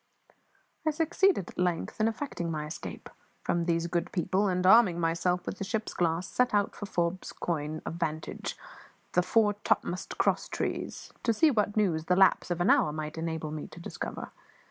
I succeeded at length in effecting my escape from these good people, and, arming myself with the ship's glass, set out for Forbes' coign of vantage the fore topmast cross trees to see what news the lapse of an hour might enable me to discover.